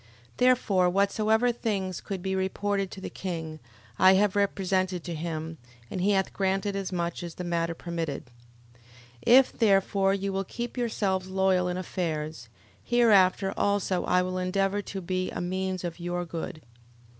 11:18. Therefore whatsoever things could be reported to the king, I have represented to him: and he hath granted as much as the matter permitted. 11:19. If, therefore, you will keep yourselves loyal in affairs, hereafter also I will endeavour to be a means of your good.